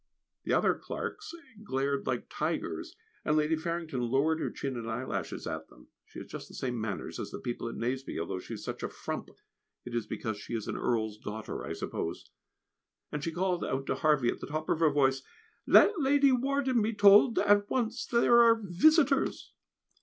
The other Clarkes glared like tigers, and Lady Farrington lowered her chin and eyelashes at them (she has just the same manners as the people at Nazeby, although she is such a frump it is because she is an earl's daughter, I suppose), and she called out to Harvey at the top of her voice, "Let Lady Worden be told at once there are visitors."